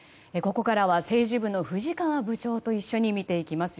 ここからは政治部の藤川部長と一緒に見ていきます。